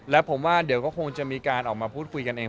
และผมว่าเดี๋ยวก็คงจะมีการออกมาพูดคุยกันเอง